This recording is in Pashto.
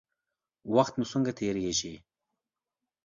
وخت مو څنګه تیریږي؟